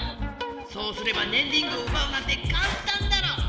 そうすればねんリングをうばうなんてかんたんだろ！